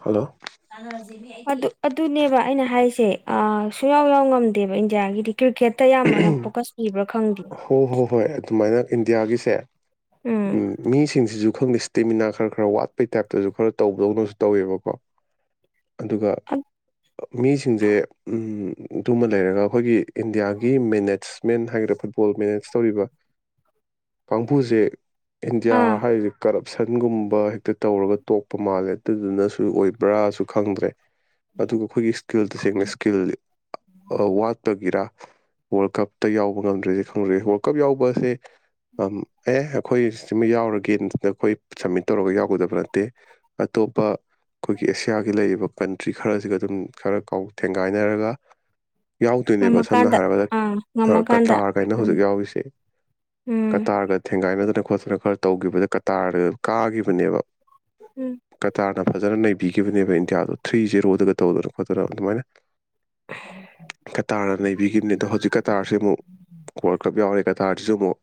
hello ꯁꯥꯅꯔꯁꯤꯅꯦ ꯑꯩ ꯑꯗꯨ ꯑꯗꯨꯅꯦꯕ ꯑꯩꯅ ꯍꯥꯏꯁꯦ ꯁꯨꯡꯌꯥꯎ ꯌꯥꯎ ꯉꯝꯗꯦꯕ ꯏꯟꯗꯤꯌꯥꯒꯤꯗꯤ ꯀ꯭ꯔꯤꯛꯀꯦꯠ ꯇꯌꯥꯝꯕꯅ ꯍꯣ ꯐꯣꯀꯁ ꯄꯤꯕ꯭ꯔꯥ ꯈꯪꯗꯦ ꯍꯣ ꯍꯣꯏ ꯑꯗꯨꯃꯥꯏꯅ ꯏꯟꯗꯤꯌꯥꯒꯤꯁꯦ ꯎꯝ ꯃꯤꯁꯤꯡꯁꯤꯁꯨ ꯈꯪꯗ ꯏꯁꯇꯦꯃꯤꯅꯥ ꯈꯔ ꯈꯔ ꯋꯥꯠꯄꯩ ꯇꯥꯏꯞꯇꯁꯨ ꯈꯔ ꯇꯧꯕꯗꯧꯅꯁꯨ ꯇꯧꯋꯦꯕꯀꯣ ꯑꯗꯨꯒ ꯃꯤꯁꯤꯡꯁꯦ ꯑꯗꯨꯃ ꯂꯩꯔꯒ ꯑꯩꯈꯣꯏꯒꯤ ꯏꯟꯗꯤꯌꯥꯒꯤ ꯒꯤ ꯃꯦꯅꯦꯖꯃꯦꯟ ꯍꯥꯏꯒꯗ꯭ꯔꯥ ꯐꯨꯠꯕꯣꯜ ꯃꯦꯅꯦꯖ ꯇꯧꯔꯤꯕ ꯀꯥꯡꯕꯨꯁꯦ ꯏꯟꯗꯤꯌꯥ ꯑꯥ ꯍꯥꯏꯔꯤꯁꯦ ꯀꯔꯞꯕ ꯁꯟꯒꯨꯝꯕ ꯍꯦꯛꯇ ꯇꯧꯔꯒ ꯇꯣꯛꯄ ꯃꯥꯜꯂꯦ ꯑꯗꯨꯗꯨꯅꯁꯨ ꯑꯣꯏꯕ꯭ꯔꯥꯁꯨ ꯈꯪꯗ꯭ꯔꯦ ꯑꯗꯨꯒ ꯑꯩꯈꯣꯏꯒꯤ ꯏꯁꯀꯤꯜ ꯇꯁꯦꯡꯅ ꯏꯁꯀꯤꯜ ꯋꯥꯠꯄꯒꯤꯔ ꯋꯥꯔꯜ ꯀꯞꯇ ꯌꯥꯎꯕ ꯉꯝꯗ꯭ꯔꯔꯤꯁꯦ ꯈꯪꯗ꯭ꯔꯦ ꯋꯥꯔꯜ ꯀꯞ ꯌꯥꯎꯕꯁꯦ ꯑꯦ ꯑꯩꯈꯣꯏ ꯁꯤꯃ ꯌꯥꯎꯔꯒꯅꯦ ꯑꯩꯈꯣꯏ ꯁꯝꯃꯤꯠ ꯇꯧꯔꯒ ꯌꯥꯎꯒꯗꯕ ꯅꯠꯇꯦ ꯑꯇꯣꯞꯄ ꯑꯩꯈꯣꯏꯒꯤ ꯑꯦꯁꯤꯌꯥꯒꯤ ꯂꯩꯔꯤꯕ ꯀꯟꯇ꯭ꯔꯤ ꯈꯔꯁꯤꯒ ꯑꯗꯨꯝ ꯈꯔ ꯀꯥꯎ ꯊꯦꯡꯒꯥꯏꯅꯔꯒ ꯌꯥꯎꯗꯣꯏꯅꯦꯕ ꯁꯝꯅ ꯉꯝꯃꯀꯥꯟꯗ ꯍꯥꯏꯔꯕꯗ ꯑꯥ ꯉꯝꯃꯀꯥꯟꯗ ꯀꯇꯥꯔꯒ ꯍꯥꯏꯅ ꯎꯝ ꯍꯧꯖꯤꯛ ꯌꯥꯎꯔꯤꯁꯦ ꯎꯝ ꯀꯇꯥꯔꯒ ꯊꯦꯡꯒꯥꯏꯅꯗꯅ ꯐꯣꯖꯅ ꯈꯔ ꯇꯧꯈꯤꯕꯗ ꯀꯇꯥꯔꯗ ꯀꯥꯈꯤꯕꯅꯦꯕ ꯎꯝ ꯀꯇꯥꯔꯅ ꯐꯖꯅ ꯅꯩꯕꯤꯈꯤꯕꯅꯦꯕ ꯏꯟꯗꯤꯌꯥꯗꯣ ꯊ꯭ꯔꯤ ꯖꯦꯔꯣꯗꯒ ꯇꯧꯗꯅ ꯈꯣꯠꯇꯅ ꯑꯗꯨꯃꯥꯏꯅ ꯀꯇꯥꯔꯅ ꯅꯕꯤꯈꯤꯕꯅꯤ ꯑꯗꯣ ꯍꯧꯖꯤꯛ ꯀꯇꯥꯔꯁꯤ ꯑꯃꯨꯛ ꯋꯥꯔꯜ ꯀꯞ ꯌꯥꯎꯔꯦ ꯇꯥꯔꯁꯤꯁꯨ ꯑꯃꯨꯛ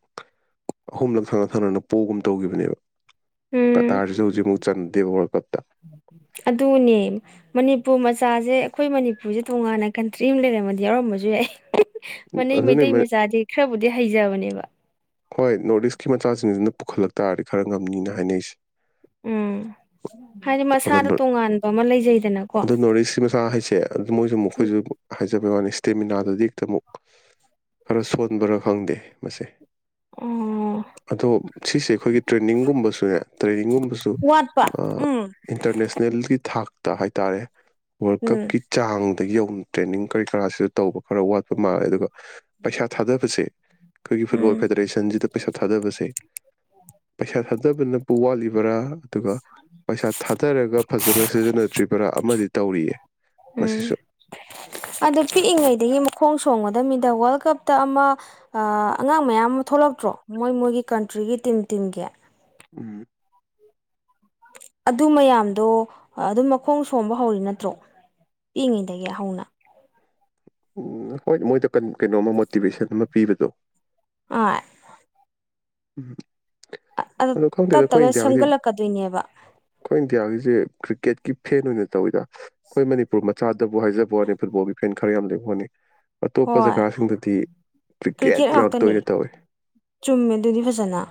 ꯑꯍꯨꯝꯂꯛ ꯊꯪꯅ ꯊꯪꯅꯅ ꯄꯣꯒꯨꯝ ꯇꯧꯈꯤꯕꯅꯦꯕ ꯎꯝ ꯀꯇꯥꯔꯁꯨ ꯍꯧꯖꯤꯛꯃꯨꯛ ꯆꯟꯗꯦꯕ ꯍꯣꯜꯀꯠꯇ ꯑꯗꯨꯅꯦ ꯃꯅꯤꯄꯨꯔ ꯆꯥꯁꯦ ꯑꯩꯈꯣꯏ ꯃꯅꯤꯄꯨꯔꯁꯦ ꯇꯣꯉꯥꯟꯅ ꯀꯟꯇ꯭ꯔꯤ ꯑꯃ ꯂꯩꯔꯝꯃꯗꯤ ꯌꯥꯎꯔꯝꯕꯁꯨ ꯌꯥꯏ ꯃꯅꯩ ꯑꯗꯨꯅꯦ ꯃꯩꯇꯩ ꯃ- ꯃꯆꯥꯗꯤ ꯈꯔꯕꯨꯗꯤ ꯍꯩꯖꯕꯅꯦꯕ ꯍꯣꯏ ꯅꯣꯔꯠ ꯏꯁꯀꯤ ꯃꯆꯥꯁꯤꯡꯁꯤꯅ ꯄꯨꯈꯠꯂꯛ ꯇꯥꯔꯗꯤ ꯈꯔ ꯉꯝꯅꯤꯅ ꯍꯥꯏꯅꯁꯦ ꯎꯝ ꯍꯥꯏꯗꯤ ꯑꯗꯣ ꯃꯁꯥꯗ ꯅꯣꯔꯠ ꯇꯣꯉꯥꯟꯕ ꯑꯃ ꯂꯩꯖꯩꯗꯅꯀꯣ ꯑꯗꯣ ꯍꯥꯏꯖꯕ ꯋꯥꯅꯤ ꯏꯁꯇꯦꯃꯤꯅꯥꯗꯨꯗꯤ ꯍꯦꯛꯇ ꯑꯃꯨꯛ ꯈꯔ ꯁꯣꯟꯕꯔꯥ ꯈꯪꯗꯦ ꯃꯁꯦ ꯎꯝ ꯑꯗꯣ ꯁꯤꯁꯦ ꯑꯩꯈꯣꯏꯒꯤ ꯇ꯭ꯔꯦꯅꯤꯡꯒꯨꯝꯕꯁꯨꯅꯦ ꯇ꯭ꯔꯦꯅꯤꯡꯒꯨꯝꯕꯁꯨ ꯋꯥꯠꯄ ꯎꯝ ꯏꯟꯇꯔꯅꯦꯁꯅꯦꯜꯒꯤ ꯊꯥꯛꯇ ꯇ ꯍꯥꯏꯇꯥꯔꯦ ꯋꯥꯔꯜ ꯎꯝ ꯀꯞꯀꯤ ꯆꯥꯡꯗꯒꯤ ꯌꯧꯅ ꯇ꯭ꯔꯦꯟꯅꯤꯡ ꯀꯔꯤ ꯀꯔꯥꯁꯤꯗ ꯇꯧꯕ ꯈꯔ ꯋꯥꯠꯄ ꯃꯥꯜꯂꯦ ꯑꯗꯨꯒ ꯄꯩꯁꯥ ꯊꯥꯗꯕꯁꯦ ꯑꯩꯈꯣꯏꯒꯤ ꯐꯨꯠꯕꯣꯜ ꯎꯝ ꯄꯔꯦꯁꯟꯁꯤꯗ ꯄꯩꯁꯥ ꯊꯥꯗꯕꯁꯦ ꯄꯩꯁꯥ ꯊꯥꯗꯕꯅꯕꯨ ꯋꯥꯠꯂꯤꯕꯔꯥ ꯑꯗꯨꯒ ꯄꯩꯁꯥ ꯊꯥꯗꯔꯒ ꯐꯖꯅ ꯁꯤꯖꯤꯟꯅꯗ꯭ꯔꯤꯕꯔꯥ ꯑꯃꯗꯤ ꯇꯧꯔꯤꯌꯦ ꯎꯝ ꯃꯁꯤꯁꯨ ꯑꯗꯣ ꯄꯤꯛꯏꯉꯩꯗꯒꯤ ꯃꯈꯣꯡ ꯆꯣꯡꯒꯗꯕꯃꯤꯗ ꯋꯥꯔꯜ ꯀꯞꯇ ꯑꯃ ꯑꯉꯥꯡ ꯃꯌꯥꯝ ꯑꯃ ꯊꯣꯛꯂꯛꯇ꯭ꯔꯣ ꯃꯣꯏ ꯃꯣꯏꯒꯤ ꯀꯟꯇ꯭ꯔꯤꯒꯤ ꯇꯤꯝ ꯇꯤꯝꯒꯌꯥ ꯎꯝ ꯑꯗꯨ ꯃꯌꯥꯝꯗꯣ ꯑꯗꯨꯝ ꯃꯈꯣꯡ ꯁꯣꯝꯕ ꯍꯧꯔꯤ ꯅꯠꯇ꯭ꯔꯣ ꯄꯤꯉꯤꯗꯒꯤ ꯍꯧꯅ ꯎꯝ ꯍꯣꯏ ꯃꯣꯏꯗ ꯀ ꯀꯩꯅꯣ ꯑꯃ ꯃꯣꯇꯤꯚꯦꯁꯟ ꯑꯃ ꯄꯤꯕꯗꯣ ꯑ ꯎꯝ ꯑꯗꯣ ꯈꯪꯗꯦꯗ ꯇꯞ ꯑꯩꯈꯣꯏ ꯇꯞꯅ ꯏꯟꯗꯤꯌꯥꯒꯤꯗꯤ ꯁꯦꯝꯒꯠꯂꯛꯀꯗꯣꯏꯅꯦꯕ ꯑꯩꯈꯣꯏ ꯏꯟꯗꯤꯌꯥꯒꯤꯁꯦ ꯀ꯭ꯔꯤꯛꯀꯦꯠꯀꯤ ꯐꯦꯟ ꯑꯣꯏꯅ ꯇꯧꯋꯤꯗ ꯑꯩꯈꯣꯏ ꯃꯅꯤꯄꯨꯔ ꯃꯆꯥꯗꯕꯨ ꯍꯥꯏꯖꯕ ꯕꯣꯅꯤ ꯐꯨꯠꯕꯣꯒꯤꯐꯅꯈꯔ ꯌꯥꯝ ꯂꯩꯦꯕꯣꯅꯤ ꯑꯇꯣꯞꯄ ꯍꯣꯏ ꯖꯒꯥꯁꯤꯡꯗꯗꯤ ꯀ꯭ꯔꯤꯀꯦꯠ ꯉꯥꯛꯇ ꯑꯣꯏꯅ ꯇꯧꯏꯤ ꯆꯨꯝꯃꯦ ꯑꯗꯨꯗꯤ ꯐꯖꯅ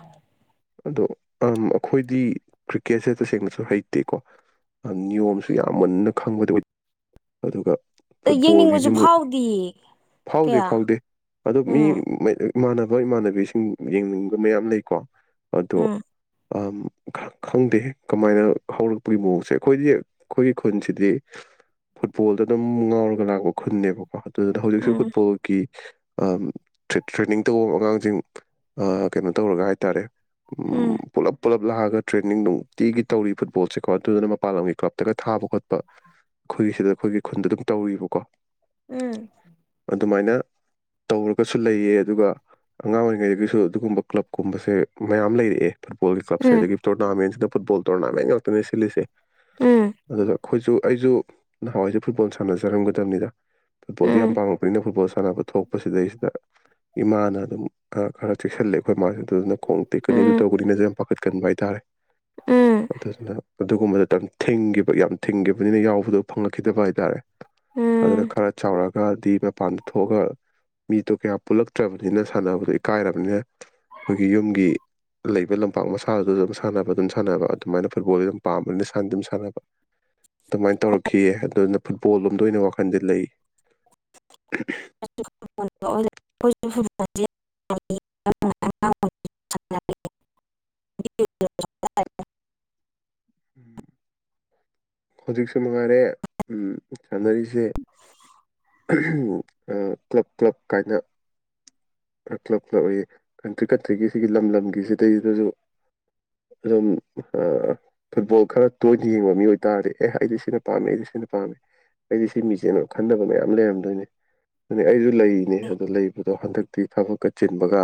ꯑꯗꯣ ꯑꯩꯈꯣꯏꯗꯤ ꯀ꯭ꯔꯤꯛꯀꯦꯠꯁꯦ ꯇꯁꯦꯡꯅꯁꯨ ꯍꯩꯇꯦꯀꯣ ꯅꯤꯌꯣꯝꯁꯨ ꯌꯥꯝ ꯃꯟꯅ ꯈꯪꯕꯗꯤ ꯑꯣꯏ ꯑꯗꯨꯒ ꯑ ꯐꯨꯠꯕꯣꯜꯒꯤꯁꯤ ꯌꯦꯡꯅꯤꯡꯕꯁꯨ ꯑꯃꯨꯛ ꯐꯥꯎꯗꯤꯌꯦ ꯐꯥꯎꯗꯦ ꯀꯌꯥ ꯐꯥꯎꯗꯦ ꯑꯣ ꯃꯤ ꯎꯝ ꯏꯃꯥꯟꯅꯕ ꯏꯃꯥꯟꯅꯕꯤꯁꯤꯡ ꯌꯦꯡꯅꯤꯡꯕ ꯃꯌꯥꯝ ꯂꯩꯀꯣ ꯑꯗꯣ ꯎꯝ ꯈꯪꯗꯦ ꯀꯃꯥꯏꯅ ꯍꯧꯔꯛꯄꯒꯤ ꯃꯑꯣꯡꯁꯦ ꯑꯩꯈꯣꯏꯗꯤ ꯑꯩꯈꯣꯏꯒꯤ ꯈꯨꯟꯁꯤꯗꯤ ꯐꯨꯠꯕꯣꯜꯗ ꯑꯗꯨꯝ ꯉꯥꯎꯔꯒ ꯂꯥꯛꯄ ꯈꯨꯟꯅꯦꯕꯀꯣ ꯑꯗꯨꯗꯨꯅ ꯍꯧꯖꯤꯛꯁꯨꯖꯤꯛ ꯎꯝ ꯐꯨꯠꯕꯣꯜꯒꯤ ꯇ꯭ꯔꯦꯅꯤꯡ ꯇꯧꯕ ꯑꯉꯥꯡꯁꯤꯡ ꯀꯩꯅꯣ ꯇꯧꯔꯒ ꯍꯥꯏꯇꯥꯔꯦ ꯎꯝ ꯄꯨꯜꯂꯞ ꯄꯨꯂꯞ ꯂꯥꯛꯑꯒ ꯇ꯭ꯔꯦꯟꯅꯤꯡ ꯅꯨꯡꯇꯤꯒꯤ ꯇꯧꯔꯤ ꯐꯨꯠꯕꯣꯜꯁꯦꯀꯣ ꯑꯗꯨꯗꯨꯅ ꯃꯄꯥꯟ ꯂꯝꯒꯤ ꯀ꯭ꯂꯞ ꯅꯠꯇꯒ ꯊꯥꯕ ꯈꯣꯠꯄ ꯑꯩꯈꯣꯏꯒꯤ ꯁꯤꯗ ꯑꯩꯈꯣꯏꯒꯤ ꯈꯨꯟꯗ ꯑꯗꯨꯝ ꯇꯧꯕꯀꯣ ꯎꯝ ꯑꯗꯨꯃꯥꯏꯅ ꯇꯧꯔꯒꯁꯨ ꯂꯩꯌꯦ ꯑꯗꯨꯒ ꯑꯉꯥꯡ ꯑꯣꯏꯔꯤꯉꯩꯗꯒꯤꯁꯨ ꯑꯗꯨꯒꯨꯝꯕ ꯀ꯭ꯂꯕꯀꯨꯝꯕꯁꯦ ꯃꯌꯥꯝ ꯂꯩꯔꯛꯑꯦ ꯐꯨꯠꯕꯣꯜꯒꯤ ꯀꯞꯦ ꯎꯝ ꯑꯗꯒꯤ ꯇꯣꯔꯅꯥꯃꯦꯟꯁꯤꯅ ꯐꯨꯠꯕꯣꯜ ꯇꯣꯔꯅꯥꯃꯦꯟ ꯉꯥꯛꯇꯅꯦ ꯁꯤꯜꯂꯤꯁꯦ ꯎꯝ ꯑꯗꯨꯗ ꯑꯩꯈꯣꯏꯁꯨ ꯑꯩꯁꯨ ꯅꯍꯥꯟꯋꯥꯏꯁꯦ ꯐꯨꯠꯕꯣꯜ ꯁꯥꯟꯅꯖꯔꯝꯒꯗꯕꯅꯤꯗ ꯐꯨꯕꯣꯜꯗꯤ ꯎꯝ ꯄꯥꯡꯉꯛꯅꯤ ꯐꯨꯕꯣꯜ ꯁꯥꯟꯅꯕ ꯊꯣꯛꯄꯁꯤꯗꯩꯁꯤꯗ ꯏꯃꯥꯅ ꯑꯗꯨꯝ ꯈꯔ ꯆꯦꯛꯁꯤꯜꯂꯦ ꯑꯩꯈꯣꯏ ꯏ ꯃꯥꯁꯤ ꯑꯗꯨꯅ ꯈꯣꯡ ꯇꯦꯛꯀꯅꯤ ꯑꯗꯨ ꯇꯧꯒꯅꯤꯅꯁꯨ ꯌꯥꯝ ꯄꯥꯈꯠꯀꯟꯕ ꯍꯥꯏꯇꯥꯔꯦ ꯎꯝ ꯎꯝ ꯑꯗꯨꯗꯨꯅ ꯑꯗꯨꯒꯨꯝꯕꯗ ꯃꯇꯝ ꯊꯤꯡꯈꯤꯕ ꯌꯥꯝ ꯊꯤꯡꯈꯤꯕꯅꯤꯅ ꯌꯥꯎꯕꯗꯣ ꯐꯪꯂꯛꯈꯤꯗꯕ ꯍꯥꯏꯇꯥꯥꯔꯦ ꯑꯗꯨꯅ ꯈꯔ ꯆꯥꯎꯔꯛꯑꯒꯗꯤ ꯃꯄꯥꯟꯗ ꯊꯣꯛꯑꯒ ꯃꯤꯗꯣ ꯀꯌꯥ ꯄꯨꯜꯂꯛꯇ꯭ꯔꯕꯅꯤꯅ ꯁꯥꯟꯅꯕꯗꯣ ꯏꯀꯥꯏꯔꯕꯅꯤꯅ ꯑꯩꯈꯣꯏꯒꯤ ꯌꯨꯝꯒꯤ ꯂꯩꯕ ꯂꯝꯄꯥꯛ ꯃꯁꯥꯗꯨꯗ ꯑꯗꯨꯝ ꯁꯥꯟꯅꯕ ꯑꯗꯨꯝ ꯁꯥꯟꯅꯕ ꯑꯗꯨꯃꯥꯏꯅ ꯐꯨꯠꯕꯣꯜꯁ ꯑꯗꯨꯝ ꯄꯥꯝꯕꯅꯤꯅ ꯁꯥꯟꯅꯗꯤ ꯑꯗꯨꯝ ꯁꯥꯟꯅꯕ ꯑꯗꯨꯃꯥꯏꯅ ꯇꯧꯔꯛꯈꯤꯑ ꯑꯗꯨꯅ ꯐꯨꯠꯕꯣꯜ ꯂꯣꯝꯗ ꯑꯣꯏꯅ ꯋꯥꯈꯜꯁꯦ ꯂꯩ [unintelligible] [unintelligible] ꯍꯧꯖꯤꯛꯁꯨ ꯃꯉꯥꯏꯔꯦ ꯎꯝ ꯁꯥꯟꯅꯔꯤꯁꯦ ꯀ꯭ꯂꯕ ꯀ꯭ꯂꯕ ꯀꯥꯏꯅ ꯈꯞ ꯀ꯭ꯂꯞ ꯀ꯭ꯂꯞ ꯎꯌꯦ ꯀꯟꯇ꯭ꯔꯤ ꯀꯠꯇ꯭ꯔꯤꯒꯤ ꯁꯤꯒꯤ ꯂꯝ ꯂꯝꯒꯤ ꯁꯤꯗꯩꯁꯤꯗꯁꯨ ꯑꯗꯨꯝ ꯐꯨꯠꯕꯣꯜ ꯈꯔ ꯇꯣꯏꯅ ꯌꯦꯡꯕ ꯃꯤ ꯑꯣꯏ ꯇꯥꯔꯗꯤ ꯑꯦ ꯑꯩꯗꯤ ꯁꯤꯅ ꯄꯥꯝꯃꯦ ꯑꯩꯗꯤ ꯁꯤꯅ ꯄꯥꯝꯃꯦ ꯑꯩꯗꯤ ꯁꯤ ꯃꯤꯁꯦꯅ ꯈꯟꯅꯕ ꯃꯌꯥꯝ ꯂꯩꯔꯝꯗꯣꯏꯅꯦ ꯑꯗꯨ ꯑꯩ ꯂꯩꯅꯦ ꯑꯗꯣ ꯂꯩꯕꯗꯣ ꯍꯟꯗꯛꯇꯤ ꯊꯕꯛꯀ ꯆꯤꯟꯕꯒ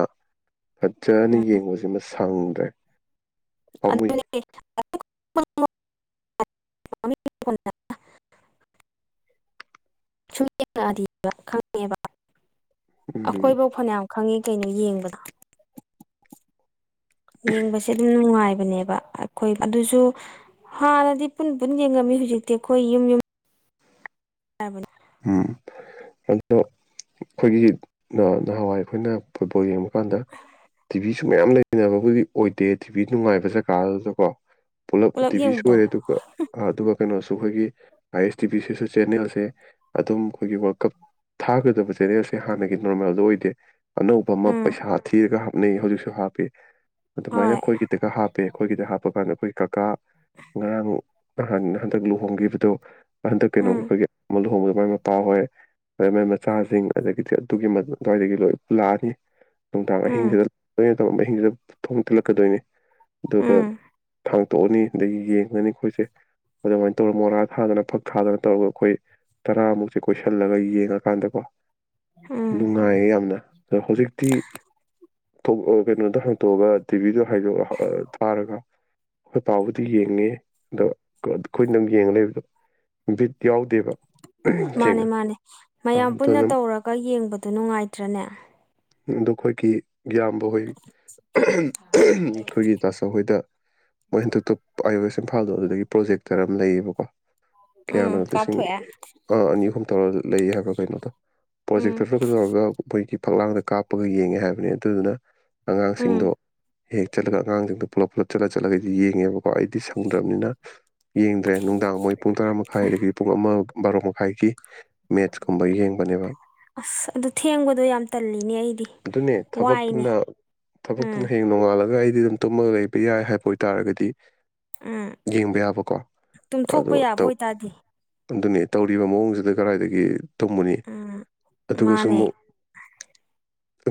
ꯐꯖꯅ ꯌꯦꯡꯕꯁꯤ ꯃꯁꯤ ꯁꯪꯗ꯭ꯔꯦ ꯄꯥꯝꯃꯨꯏ ꯑꯗꯨꯅꯦ [inaudible] ꯁꯨꯝ ꯌꯦꯉꯛꯑꯗꯤꯕ ꯈꯪꯉꯦꯕ ꯎꯝ ꯑꯩꯈꯣꯏꯕꯧ ꯐꯅꯌꯥꯝ ꯈꯪꯉꯤ ꯀꯩꯅꯣ ꯌꯦꯡꯕꯗ ꯌꯦꯡꯕꯁꯦ ꯑꯗꯨꯝ ꯅꯨꯡꯉꯥꯏꯕꯅꯦꯕ ꯑꯩꯈꯣꯏ ꯑꯗꯨꯁꯨ ꯍꯥꯟꯅꯗꯤ ꯄꯨꯟ ꯄꯨꯟ ꯌꯦꯡꯉꯝꯃꯤ ꯍꯧꯖꯤꯛꯇꯤ ꯑꯩꯈꯣꯏ ꯌꯨꯝ ꯌꯨꯝ ꯀꯩ ꯍꯥꯏꯕꯅꯣ ꯎꯝ ꯑꯗꯣ ꯑꯩꯈꯣꯏꯒꯤ ꯅꯍꯥꯟꯋꯥꯏ ꯑꯩꯈꯣꯏꯅ ꯐꯨꯠꯕꯣꯜ ꯌꯦꯡꯕ ꯍꯥꯏꯀꯥꯟꯗ ꯇꯤꯚꯤꯁꯨ ꯃꯌꯥꯝ ꯂꯩꯅꯕꯕꯨꯗꯤ ꯑꯣꯏꯗꯦ ꯇꯤꯚꯤ ꯅꯨꯡꯉꯥꯏꯕ ꯖꯒꯥ ꯑꯗꯨꯗꯀꯣ ꯄꯨꯂꯞ ꯇꯤꯚꯤ ꯁꯣꯏꯔꯦ ꯑꯗꯨꯒ ꯑꯗꯨꯒ ꯀꯩꯅꯣꯁꯨ ꯑꯩꯈꯣꯏꯒꯤ ꯑꯥꯏ ꯑꯦꯁ ꯇꯤ ꯚꯤ ꯁꯤꯁꯨ ꯆꯦꯅꯦꯜꯁꯦ ꯑꯗꯨꯝ ꯑꯩꯈꯣꯏꯒꯤ ꯋꯥꯔꯜ ꯀꯞ ꯊꯥꯒꯗꯕ ꯆꯦꯅꯦꯜꯁꯦ ꯍꯥꯟꯅꯒꯤ ꯅꯣꯔꯃꯦꯜꯗ ꯑꯣꯏꯗꯦ ꯑꯅꯧꯕ ꯑꯃ ꯎꯝ ꯄꯩꯁꯥ ꯊꯤꯔꯒ ꯍꯥꯞꯅꯩ ꯍꯧꯖꯤꯛꯁꯨ ꯍꯥꯞ ꯍꯥꯞꯄꯤ ꯑꯗꯨꯃꯥꯏꯅ ꯍꯣꯏ ꯑꯩꯈꯣꯏꯒꯤꯗꯒ ꯍꯥꯞꯄꯦ ꯑꯩꯈꯣꯏꯒꯤꯗ ꯍꯥꯞꯄ ꯀꯥꯟꯗ ꯑꯩꯈꯣꯏ ꯀꯥꯀꯥ ꯉꯔꯥꯡ ꯅꯍꯥꯟ ꯍꯟꯗꯛ ꯂꯨꯍꯣꯡꯈꯤꯕꯗꯣ ꯍꯟꯗꯛ ꯎꯝ ꯀꯩꯅꯣꯒꯤ ꯑꯩꯈꯣꯏꯒꯤ ꯑꯃ ꯂꯨꯍꯣꯡꯉꯛ ꯍꯣꯏ ꯃꯣꯏ ꯃꯣꯏ ꯃꯆꯥꯁꯤꯡ ꯑꯗꯒꯤꯗꯤ ꯑꯗꯨꯒꯤ ꯑꯗꯨꯋꯥꯏꯗꯒꯤ ꯂꯣꯏ ꯄꯨꯔ ꯂꯥꯛꯑꯅꯤ ꯅꯨꯡꯗꯥꯡ ꯎꯝ ꯑꯍꯤꯡꯁꯤꯗ ꯂ ꯇꯧ ꯑꯍꯤꯡꯁꯤꯗ ꯊꯣꯡ ꯊꯤꯜꯂꯛꯀꯗꯣꯏꯅꯤ ꯑꯗꯨꯒ ꯎꯝ ꯊꯥꯡ ꯇꯣꯛꯑꯅꯤ ꯑꯗꯒꯤ ꯌꯦꯡꯉꯅꯤ ꯑꯩꯈꯣꯏꯁꯦ ꯑꯗꯨꯃꯥꯏꯅ ꯇꯧꯔ ꯃꯣꯔꯥ ꯊꯥꯗꯅ ꯐꯛ ꯊꯥꯗꯅ ꯇꯧꯕ ꯑꯩꯈꯣꯏ ꯇꯔꯥꯃꯨꯛꯁꯦ ꯀꯣꯏꯁꯤꯜꯂꯒ ꯌꯦꯡꯉ ꯀꯥꯟꯗꯀꯣ ꯎꯝ ꯅꯨꯡꯉꯥꯏꯌꯦ ꯌꯥꯝꯅ ꯍꯧꯖꯤꯛꯇꯤ ꯊꯣ ꯀꯩꯅꯣꯗ ꯍꯥꯡꯇꯣꯛꯑꯒ ꯇꯤꯚꯤꯗꯣ ꯍꯥꯏꯗꯣ ꯑ ꯊꯥꯔꯒ ꯑꯩꯈꯣꯏ ꯄꯥꯕꯨꯗꯤ ꯌꯦꯡꯉꯦ ꯑꯗꯣ ꯑꯩꯈꯣꯏꯗꯪ ꯌꯦꯡ ꯂꯩꯕꯗꯣ ꯕꯤꯠ ꯌꯥꯎꯗꯦꯕ ꯃꯥꯅꯦ ꯁꯦꯡꯅ ꯃꯥꯅꯦ ꯑ ꯃꯌꯥꯝ ꯄꯨꯟꯅ ꯑꯗꯨꯅ ꯇꯧꯔꯒ ꯌꯦꯡꯕꯗ ꯅꯨꯡꯉꯥꯏꯇ꯭ꯔꯅꯦ ꯌꯨꯝꯗ ꯑꯩꯈꯣꯏꯒꯤ ꯏꯌꯥꯝꯕ ꯍꯣꯏ ꯑꯩꯈꯣꯏꯒꯤ ꯇꯥꯆꯧꯍꯣꯏꯗ ꯃꯣꯏ ꯍꯟꯗꯛꯇ ꯑꯥꯏꯋꯦꯁ ꯏꯝꯐꯥꯜꯗꯣ ꯑꯗꯨꯗꯒꯤ ꯄ꯭ꯔꯣꯖꯦꯛꯇꯔ ꯑꯃ ꯂꯩꯌꯦꯕꯀꯣ ꯎꯝ ꯀꯞꯊꯣꯛ ꯑꯦ ꯑꯥ ꯑꯅꯤ ꯑꯍꯨꯝ ꯇꯧꯔ ꯂꯩꯌꯦ ꯍꯥꯏꯕ꯭ꯔꯥ ꯀꯩꯅꯣꯗꯣ ꯄ꯭ꯔꯣꯖꯦꯛꯇꯔ ꯎꯝ ꯁꯨꯨ ꯇꯧꯔꯒ ꯑꯗꯩꯗꯤ ꯐꯛꯂꯥꯡꯗ ꯀꯥꯞꯄꯒ ꯌꯦꯡꯉꯦ ꯍꯥꯏꯕꯅꯦ ꯑꯗꯨꯗꯨꯅ ꯎꯝ ꯑꯉꯥꯡꯁꯤꯡꯗꯣ ꯍꯦꯛ ꯆꯠꯂꯒ ꯑꯉꯥꯡꯁꯤꯡꯗꯣ ꯄꯨꯂꯞ ꯄꯨꯂꯞ ꯆꯠꯂꯒ ꯆꯠꯂꯒꯗꯤ ꯌꯦꯡꯉꯦꯕꯀꯣ ꯑꯩꯗꯤ ꯁꯪꯗ꯭ꯔꯕꯅꯤꯅ ꯌꯦꯡꯗ꯭ꯔꯦ ꯅꯨꯡꯗꯥꯡ ꯃꯣꯏ ꯄꯨꯡ ꯇꯔꯥ ꯃꯈꯥꯏꯗꯒꯤ ꯄꯨꯡ ꯑꯃ ꯚꯥꯔꯣ ꯃꯈꯥꯏꯒꯤ ꯃꯦꯠꯆ ꯀꯨꯝꯕ ꯌꯦꯡꯕꯅꯦꯕ ꯑꯁ ꯑꯗꯨ ꯊꯦꯡꯕꯗꯣ ꯌꯥꯝ ꯇꯜꯂꯤꯅꯦ ꯑꯩꯗꯤ ꯑꯗꯨꯅꯦ ꯋꯥꯏꯅꯦ ꯊꯕꯛꯇꯨꯅ ꯊꯕꯛꯇꯨꯅ ꯎꯝ ꯍꯌꯦꯡ ꯅꯣꯡꯉꯥꯜꯂꯒ ꯑꯩꯗꯤ ꯇꯨꯝꯃ ꯂꯩꯕ ꯌꯥꯏ ꯍꯥꯏꯕ ꯑꯣꯏꯇꯥꯔꯒꯗꯤ ꯎꯝ ꯌꯦꯡꯕ ꯌꯥꯕꯀꯣ ꯑꯗꯣ ꯇꯨꯝꯊꯣꯛꯄ ꯌꯥꯕ ꯑꯣꯏꯇꯥꯔꯗꯤ ꯑꯗꯨꯅꯦ ꯇꯧꯔꯤꯕ ꯃꯑꯣꯡꯁꯤꯗ ꯀꯗꯥꯏꯗꯒꯤ ꯇꯨꯝꯃꯨꯅꯤ ꯎꯝ ꯑꯗꯨꯒꯁꯨ ꯃꯥꯅꯦ ꯑꯃꯨꯛ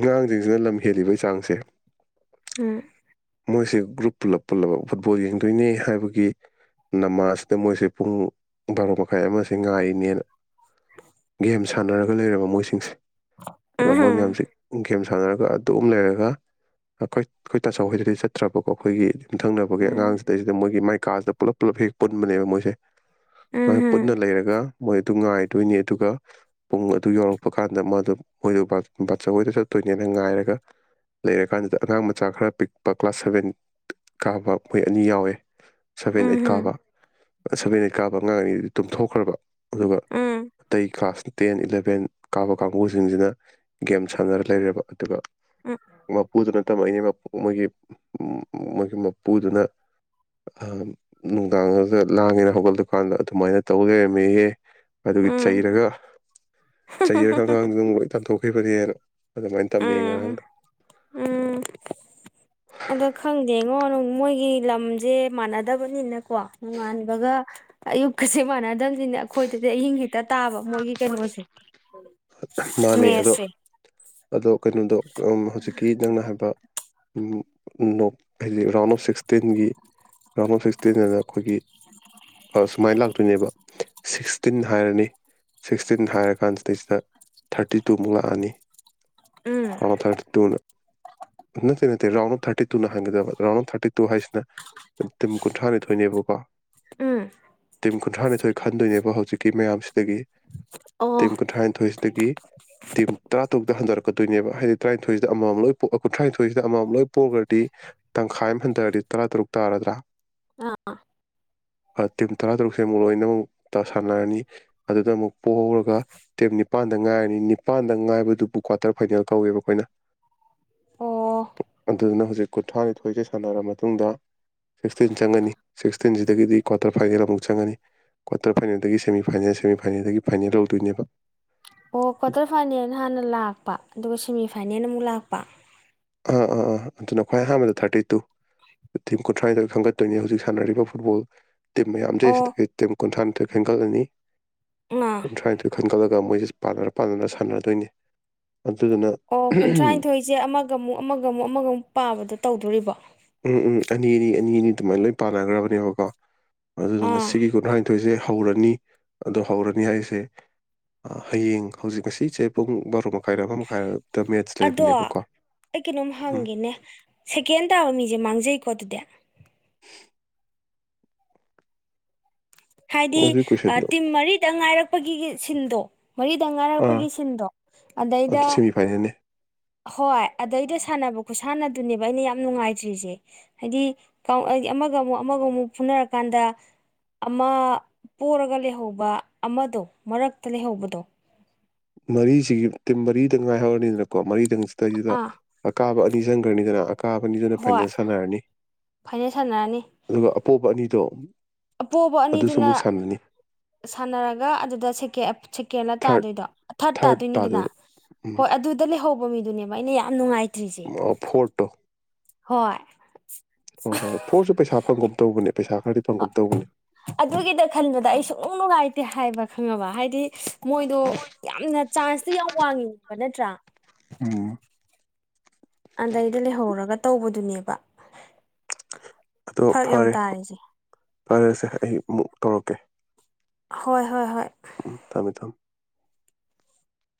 ꯑꯉꯥꯡꯁꯤꯡꯁꯤꯅ ꯂꯝ ꯍꯦꯜꯂꯤꯕ ꯆꯥꯡꯁꯦ ꯎꯝ ꯃꯣꯏꯁꯦ ꯒ꯭ꯔꯨꯞ ꯄꯨꯜꯂꯞ ꯄꯨꯜꯂꯞ ꯐꯨꯠꯕꯣꯜ ꯌꯦꯡꯗꯣꯏꯅꯦ ꯍꯥꯏꯕꯒꯤ ꯅꯃꯥꯁꯤꯗ ꯃꯣꯏꯁꯦ ꯄꯨꯡ ꯚꯥꯔꯣ ꯃꯈꯥꯏ ꯑꯃꯁꯦ ꯉꯥꯏꯅꯦꯅ ꯒꯦꯝ ꯁꯥꯟꯅꯔꯒ ꯂꯩꯔꯕ ꯃꯣꯏꯁꯤꯡꯁꯦ ꯑꯗꯣ ꯃꯣꯏ ꯎꯝ ꯃꯌꯥꯝꯁꯤ ꯒꯦꯝ ꯁꯥꯟꯅꯔꯒ ꯑꯗꯨꯝ ꯂꯩꯔꯒ ꯑꯩꯈꯣꯏ ꯑꯩꯈꯣꯏ ꯇꯆꯧꯈꯣꯏꯗꯗꯤ ꯆꯠꯇ꯭ꯔꯕꯀꯣ ꯑꯩꯈꯣꯏꯒꯤ ꯌꯨꯝꯊꯪꯅꯕꯒꯤ ꯑꯉꯥꯡꯁꯤꯗꯩꯁꯤꯗ ꯃꯣꯏꯒꯤ ꯃꯥꯏ ꯀꯥꯁꯤꯗ ꯄꯨꯂꯞ ꯄꯨꯂꯞ ꯍꯦꯛ ꯄꯨꯟꯕꯅꯦꯕ ꯃꯣꯏꯁꯦ ꯃꯥ ꯄꯨꯟꯅ ꯂꯩꯔꯒ ꯃꯣꯏ ꯑꯗꯨ ꯉꯥꯏꯗꯣꯏꯅꯤ ꯑꯗꯨꯒ ꯄꯨꯡ ꯑꯗꯨ ꯌꯧꯔꯛꯄ ꯀꯥꯟꯗ ꯃꯥꯗꯣ ꯃꯣꯏꯗ ꯕꯥ ꯕꯥꯆꯧ ꯍꯣꯏꯗ ꯆꯠꯇꯣꯏꯅꯦꯅ ꯉꯥꯏꯔꯒ ꯂꯩꯔꯀꯥꯟꯁꯤꯗ ꯑꯉꯥꯡ ꯃꯆꯥ ꯈꯔ ꯄꯤꯛꯄ ꯀ꯭ꯂꯥꯁ ꯁꯚꯦꯟ ꯀꯥꯕ ꯃꯣꯏ ꯑꯅꯤ ꯌꯥꯎꯋꯦ ꯁꯚꯦꯟ ꯑꯩꯠ ꯀꯥꯕ ꯁꯚꯦꯟ ꯀꯥꯕ ꯑꯉꯥꯡ ꯑꯅꯤꯗꯨꯗꯤ ꯇꯨꯝꯊꯣꯛꯈ꯭ꯔꯕ ꯑꯗꯨꯒ ꯎꯝ, ꯑꯇꯩ ꯀ꯭ꯂꯥꯁ ꯇꯦꯟ ꯏꯂꯥ ꯚꯦꯟ ꯀꯥꯕ ꯀꯥꯡꯒꯨꯁꯤꯡꯁꯤꯅ ꯒꯦꯝ ꯁꯥꯟꯅꯔ ꯂꯩꯔꯦꯕ ꯑꯗꯨꯒ ꯎꯝ, ꯃꯄꯨꯗꯨꯅ ꯇꯝꯃꯛꯏꯅꯦ ꯃꯣꯏꯒꯤ ꯃꯣꯏꯒꯤ ꯃꯄꯨꯗꯨꯅ ꯅꯨꯡꯗꯥꯡꯗ ꯂꯥꯡꯉꯦꯅ ꯍꯧꯒꯠꯂꯄꯀꯥꯟꯗ ꯑꯗꯨꯃꯥꯏꯅ ꯇꯧ ꯂꯩꯔꯝꯃꯦꯍꯦ ꯑꯗꯨꯒꯤ ꯎꯝ, ꯆꯩꯔꯒ ꯆꯩꯔꯒ ꯑꯉꯥꯡꯗꯨ ꯑꯃꯨꯛ ꯂꯣꯏ ꯐꯨꯔꯔ ꯎꯝ ꯎꯝ ꯑꯗ ꯈꯪꯗꯦꯉꯣ ꯃꯣꯏꯒꯤ ꯂꯝꯁꯦ ꯃꯥꯟꯅꯗꯕꯅꯤꯅꯀꯣ ꯅꯣꯡꯉꯥꯟꯕꯒ ꯑꯌꯨꯛꯀꯁꯦ ꯃꯥꯟꯅꯗꯕꯁꯤꯅꯦ ꯑꯩꯈꯣꯏꯗꯗꯤ ꯑꯍꯤꯡ ꯍ ꯍꯦꯛꯇ ꯇꯥꯕ ꯃꯣꯏꯒꯤ ꯀꯩꯅꯣꯁꯦ ꯃꯥꯅꯦ ꯑꯗꯣ ꯃꯦꯁꯁꯦ ꯑꯗꯣ ꯀꯩꯅꯣꯗꯣ ꯍꯧꯖꯤꯛꯀꯤ ꯅꯪꯅ ꯍꯥꯏꯕ ꯅꯣꯛ ꯍꯥꯏꯗꯤ ꯔꯥꯎꯟ ꯑꯣꯐ ꯁꯤꯛꯁꯇꯤꯟꯒꯤ ꯔꯥꯎꯟ ꯑꯣꯐ ꯁꯤꯛ ꯇꯤꯟ ꯑꯅ ꯑꯩꯈꯣꯏꯒꯤ ꯁꯨꯃꯥꯏꯅ ꯂꯥꯛꯇꯣꯏꯅꯦꯕ ꯁꯤꯛꯁꯇꯤꯟ ꯍꯥꯏꯔꯅꯤ ꯁꯤꯛꯁꯇꯤꯟ ꯍꯥꯏꯔꯀꯥꯟꯁꯤꯗꯩꯁꯤꯗ ꯊꯥꯔꯇꯤ ꯇꯨꯃꯨꯛ ꯂꯥꯛꯑꯅꯤ ꯎꯝ ꯑꯊ ꯇꯨꯟ ꯅ ꯅ ꯔꯥꯎꯟ ꯑꯣꯐ ꯊꯔꯇꯤ ꯇꯨ ꯅ ꯍꯪꯕ ꯔꯥꯎꯟ ꯑꯣꯐ ꯊꯥꯇꯤ ꯇꯨ ꯍꯥꯏꯅ ꯇꯤꯝ ꯀꯨꯟꯊ꯭ꯔꯥꯅꯤꯊꯣꯏꯅꯦꯕꯀꯣ ꯎꯝ ꯇꯤꯝ ꯀꯨꯟꯊ꯭ꯔꯥꯅꯤꯊꯣꯏ ꯈꯟꯗꯣꯏꯅꯦꯕ ꯍꯧꯖꯤꯛꯀꯤ ꯃꯌꯥꯝꯁꯤꯗꯒꯤ ꯑꯣ ꯇꯤꯝ ꯀꯨꯟꯊ꯭ꯔꯥꯅꯊꯣꯏꯁꯤꯗꯒꯤ ꯇꯤꯝ ꯇꯔꯥ ꯇꯔꯨꯛꯇ ꯍꯟꯗꯣꯔꯛꯀꯣꯏꯅꯦꯕ ꯍꯥꯏꯗꯤ ꯇꯔꯥꯅꯤꯊꯣꯏꯁꯤꯗ ꯑꯃꯃꯝ ꯂꯣꯏ ꯄ ꯀꯨꯟꯊ꯭ꯔꯥꯅꯤꯊꯣꯏꯁꯤꯗ ꯑꯃꯃꯝ ꯂꯣꯏ ꯄꯣꯛꯈ꯭ꯔꯗꯤ ꯇꯪꯈꯥꯏ ꯑꯃ ꯍꯟꯊꯔꯗꯤ ꯇꯔꯥ ꯇꯔꯨꯛ ꯇꯥꯔꯗ꯭ꯔꯥ ꯑꯥ ꯇꯤꯝ ꯇꯔꯥꯇꯔꯨꯛꯁꯦ ꯑꯃꯨꯛ ꯂꯣꯏꯅꯃꯨꯛꯇ ꯁꯥꯟꯅꯔꯅꯤ ꯑꯗꯨꯗ ꯑꯃꯨꯛ ꯄꯣꯛꯍꯧꯔꯒ ꯇꯤꯝ ꯅꯤꯄꯥꯟꯗ ꯉꯥꯏꯔꯅꯤ ꯅꯤꯄꯥꯟꯗ ꯉꯥꯏꯕꯗꯨꯕꯨ ꯀ꯭ꯋꯥꯇꯔ ꯐꯥꯏꯅꯦꯜ ꯀꯧꯋꯦꯕ ꯑꯩꯈꯣꯏꯅ [unintelligible] ꯑꯣ ꯑꯗꯨꯗꯨꯅ ꯍꯧꯖꯤꯛ ꯀꯨꯟꯊ꯭ꯔꯥꯅꯤꯊꯣꯏꯁꯦ ꯁꯥꯟꯅꯔꯕ ꯃꯇꯨꯡꯗ ꯁꯤꯛꯁꯇꯤꯟ ꯆꯪꯉꯅꯤ ꯁꯤꯛꯁꯇꯤꯟꯁꯤꯗꯒꯤꯗꯤ ꯀ꯭ꯋꯥꯇꯔ ꯐꯥꯏꯅꯦꯜ ꯑꯃꯨꯛ ꯆꯪꯒꯅꯤ ꯀ꯭ꯋꯥꯔꯇꯔ ꯐꯥꯏꯅꯦꯜꯗꯒꯤ ꯁꯦꯃꯤ ꯐꯥꯏꯅꯦꯜ ꯁꯦꯃꯤꯐꯥꯏꯅꯦꯜꯗꯒꯤ ꯐꯥꯏꯅꯦꯜ ꯂꯧꯗꯣꯏꯅꯦꯕ ꯑꯣ ꯀ꯭ꯋꯥꯇꯔ ꯐꯥꯏꯅꯦꯜ ꯍꯥꯟꯅ ꯂꯥꯛꯄ ꯑꯗꯨꯒ ꯁꯦꯃꯤ ꯐꯥꯏꯅꯦꯜ ꯑꯃꯨꯛ ꯂꯥꯛꯄ ꯑꯥ ꯑꯥ ꯑꯥ ꯑꯗꯨꯅ ꯈ꯭ꯋꯥꯏ ꯑꯍꯥꯟꯕꯗ ꯊꯥꯔꯇꯤ ꯇꯨ ꯇꯤꯝ ꯀꯨꯟꯊ꯭ꯔꯥꯗ ꯈꯪꯒꯠꯇꯣꯏꯅꯤ ꯍꯧꯖꯤꯛ ꯁꯥꯟꯅꯔꯤꯕ ꯐꯨꯠꯕꯣꯜ ꯇꯤꯝ ꯃꯌꯥꯝ ꯂꯩ ꯑꯣ ꯁꯤꯗꯒꯤ ꯇꯤꯝ ꯀꯨꯟꯊ꯭ꯔꯥꯅꯤꯊꯣꯏ ꯈꯦꯟꯒꯠꯂꯅꯤ ꯑꯥ ꯀꯨꯟꯊ꯭ꯔꯥꯅꯤꯊꯣꯏ ꯈꯟꯒꯠꯂꯒ ꯃꯣꯏꯁꯤ ꯄꯥꯟꯅꯔ ꯄꯥꯟꯅꯅ ꯁꯥꯟꯅꯗꯣꯏꯅꯤ ꯑꯗꯨꯗꯨꯅ ꯑꯣ ꯀꯨꯟꯊ꯭ꯔꯥꯅꯤꯊꯣꯏꯁꯦ ꯑꯃꯒ ꯑꯃꯨꯛ ꯑꯃꯒ ꯑꯃꯨꯛ ꯑꯃꯒ ꯑꯃꯨꯛ ꯄꯥꯕꯗꯣ ꯇꯧꯗꯣꯔꯤꯕꯣ ꯎꯝ ꯎꯝ ꯑꯅꯤꯅꯤ ꯑꯅꯤꯅꯤ ꯑꯗꯨꯃꯥꯏꯅ ꯂꯣꯏ ꯄꯥꯟꯅꯈ꯭ꯔꯕꯅꯦꯕꯀꯣ ꯑꯗꯨꯗꯨꯅ ꯑꯥ ꯁꯤꯒꯤ ꯀꯨꯟꯊ꯭ꯔꯥꯅꯤꯊꯣꯏꯁꯦ ꯍꯧꯔꯅꯤ ꯑꯗꯣ ꯍꯧꯔꯅꯤ ꯍꯥꯏꯁꯦ ꯍꯌꯦꯡ ꯍꯧꯖꯤꯛ ꯉꯁꯤ ꯆꯦ ꯄꯨꯡ ꯕꯥꯔꯣ ꯃꯈꯥꯏꯗ ꯑꯃ ꯃꯈꯥꯏ ꯑꯗꯣ ꯑꯩ ꯀꯩꯅꯣꯝ ꯎꯝ ꯍꯪꯒꯦꯅꯦ ꯁꯦꯀꯦꯟ ꯇꯥꯕ ꯃꯤꯁꯦ ꯁꯦ ꯃꯥꯡꯖꯩꯀꯣ ꯑꯗꯨꯗꯤ ꯍꯥꯏꯗꯤ ꯃꯗꯨꯒꯤ ꯀꯣꯏꯁꯟꯗꯣ ꯇꯤꯝ ꯃꯔꯤꯗ ꯉꯥꯏꯔꯛꯄꯒꯤ ꯁꯤꯟꯗꯣ ꯃꯔꯤꯗ ꯑꯥ ꯉꯥꯔꯛꯄꯒꯤ ꯁꯤꯟꯗꯣ ꯑꯗꯩꯗꯥ ꯑꯗꯨ ꯁꯦꯃꯤ ꯐꯥꯏꯅꯦꯜꯅꯦ ꯍꯣꯏ ꯑꯗꯩꯗ ꯁꯥꯟꯅꯕ ꯈꯨꯠꯁꯥꯟꯅꯗꯨꯅꯦꯕ ꯑꯩꯅ ꯌꯥꯝ ꯅꯨꯡꯉꯥꯏꯇ꯭ꯔꯤꯁꯦ ꯍꯥꯏꯗꯤ ꯑꯃꯥ ꯑꯃꯒ ꯑꯃꯨꯛ ꯑꯃꯒ ꯑꯃꯨꯛ ꯐꯨꯅꯔꯀꯥꯟꯗ ꯑꯃ ꯄꯔꯒ ꯂꯩꯍꯧꯕ ꯑꯃꯗꯣ ꯃꯔꯛꯇ ꯂꯩꯍꯧꯕꯗꯣ ꯃꯔꯤꯁꯤꯒꯤ ꯇꯤꯝ ꯃꯔꯤꯗꯪ ꯉꯥꯏꯍꯧꯔꯅꯤꯗꯅꯀꯣ ꯃꯔꯤꯗꯪ ꯁꯤꯗꯩꯁꯤꯗ ꯑꯥ ꯑꯀꯥꯕ ꯑꯅꯤ ꯆꯪꯈ꯭ꯔꯅꯤꯗꯅ ꯑꯀꯥꯕ ꯑꯅꯤꯗꯨꯅ ꯍꯣꯏ ꯐꯥꯏꯅꯦꯜ ꯁꯥꯟꯅꯔꯅꯤ ꯐꯥꯏꯅꯦꯜ ꯁꯥꯟꯅꯔꯅꯤ ꯑꯗꯨꯒ ꯑꯄꯣꯄ ꯑꯅꯤꯗꯣ ꯑꯄꯣꯕ ꯑꯗꯨꯁꯨ ꯑꯅꯤꯗꯨꯅ ꯑꯃꯨꯛ ꯁꯥꯟꯅꯅꯤ ꯁꯥꯟꯅꯔꯒ ꯑꯗꯨꯗ ꯀꯦꯂꯥ ꯊꯥꯔꯠ ꯇꯥꯗꯣꯏꯗꯣ ꯊꯥꯔꯠ ꯇꯥꯗꯣꯏꯅꯤꯗꯅ ꯎꯝ ꯍꯣꯏ ꯑꯗꯨꯗ ꯂꯩꯍꯧꯕ ꯃꯤꯗꯨꯅꯦꯕ ꯑꯩꯅ ꯌꯥꯝ ꯅꯨꯡꯉꯥꯏꯇꯔꯤ ꯑꯣ ꯐꯣꯇꯣ ꯍꯣꯏ ꯍꯣꯏ ꯍꯣꯏ ꯐꯣꯔꯁꯨ ꯄꯩꯁꯥ ꯐꯪꯒ ꯑꯃ ꯇꯧꯕꯅꯦ ꯄꯩꯁꯥ ꯈꯔꯗꯤ ꯐꯪꯒꯨꯝ ꯇꯧꯕꯅꯦ ꯑꯗꯨꯒꯤꯗꯥ ꯈꯟꯕꯗ ꯑꯩ ꯁꯨꯡ ꯅꯨꯡꯉꯥꯏꯇꯦ ꯍꯥꯏꯕ ꯈꯪꯉꯕ ꯍꯥꯏꯗꯤ ꯃꯣꯏꯗꯣ ꯌꯥꯝꯅ ꯆꯥꯟꯁꯇꯣ ꯌꯥꯝ ꯋꯥꯡꯉꯕ ꯅꯠꯇ꯭ꯔꯥ ꯑꯣꯝ ꯑꯗꯩꯗ ꯂꯩꯍꯧꯔꯒ ꯇꯧꯕꯗꯨꯅꯦꯕ ꯑꯗꯣ ꯐꯔꯛ ꯌꯥꯝ ꯐꯔꯦ ꯇꯥꯔꯤꯁꯦ ꯐꯔꯁꯦ ꯑꯩ ꯑꯃꯨꯛ ꯇꯧꯔꯛꯀꯦ ꯍꯣꯏ ꯍꯣꯏ ꯍꯣꯏ ꯎꯝ ꯊꯝꯃꯦ ꯊꯝ